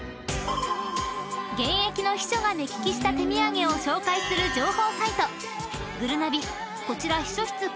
［現役の秘書が目利きした手土産を紹介する情報サイトぐるなび］